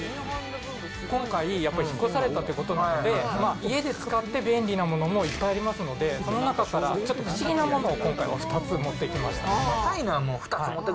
今回、やっぱり引っ越されたということもあって、家で使って便利なものもいっぱいありますので、その中からちょっと不思議なものを今回は２つ持ってきました。